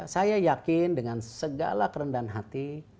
saya yakin dengan segala kerendahan hati